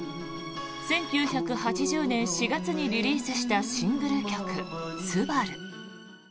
１９８０年４月にリリースしたシングル曲「昴−すばるー」。